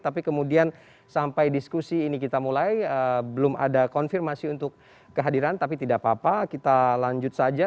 tapi kemudian sampai diskusi ini kita mulai belum ada konfirmasi untuk kehadiran tapi tidak apa apa kita lanjut saja